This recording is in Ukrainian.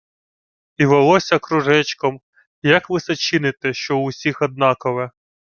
— І волосся кружечком... Як ви се чините, що в усіх однакове!